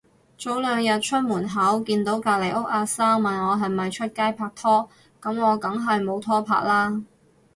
早兩日出門口見到隔離屋阿生，問我係咪出街拍拖，噉我梗係冇拖拍啦